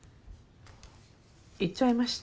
言っちゃいました。